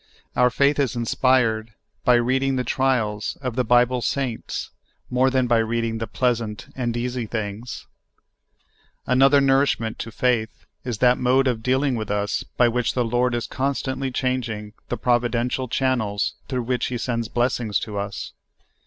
Our faith is inspired by reading the trials of the Bible saints more than by reading the pleasant and easy things. Another nourishment to faith is that mode of deal ing wath us by which the Lord is constantly changing the providential channels through which He sends FEEDING OUR FAITH. 37 blessings to us.